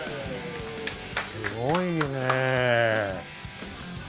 すごいね。